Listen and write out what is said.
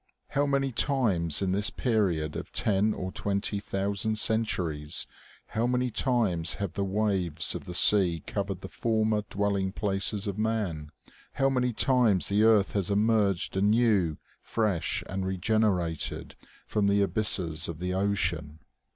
How many times in this period of ten or twenty thousand centuries, how many times have the waves of the sea covered the former dwelling places of man ! How many times the earth has emerged anew, fresh and regen erated, from the abysses of the ocean